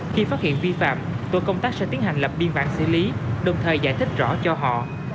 khi phát hiện vi phạm tội công tác sẽ tiến hành lập biên bản xử lý đồng thời giải thích rõ cho họ